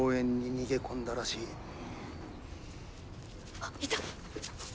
あっいた！